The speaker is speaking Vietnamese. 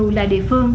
mặc dù là địa phương